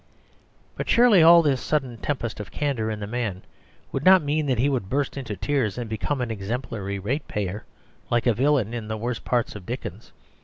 But surely all this sudden tempest of candour in the man would not mean that he would burst into tears and become an exemplary ratepayer, like a villain in the worst parts of Dickens.